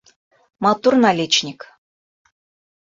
Матур наличник.